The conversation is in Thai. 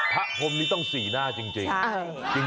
พระพรมนี้ต้องศรีหน้าจริง